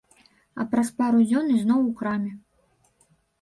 А праз пару дзён ізноў у краме.